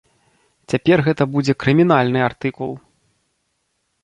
Цяпер гэта будзе крымінальны артыкул!